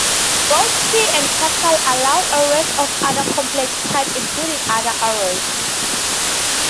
Both C and Pascal allow arrays of other complex types, including other arrays.